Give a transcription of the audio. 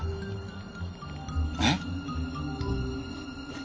えっ？